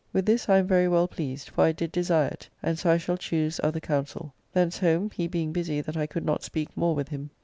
With this I am very well pleased, for I did desire it, and so I shall choose other counsel. Thence home, he being busy that I could not speak more with him.